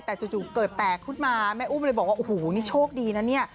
แต่จู่เกิดแตกขึ้นมาแม่อุ้มเลยบอกว่าโอ้โหนี่โชคดีนะเนี่ย